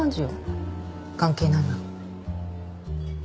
関係ないわ。